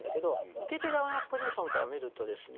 受け手側のポジションから見るとですね